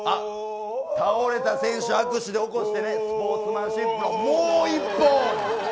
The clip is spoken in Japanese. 倒れた選手、握手で起こしてスポーツマンシップもう一本！